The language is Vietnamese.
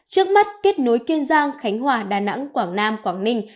trước mắt kết nối kiên giang khánh hòa đà nẵng quảng nam quảng ninh